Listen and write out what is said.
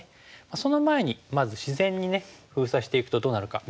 その前にまず自然に封鎖していくとどうなるか見ていきましょう。